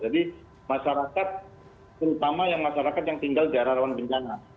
jadi masyarakat terutama yang masyarakat yang tinggal di daerah rawan bencana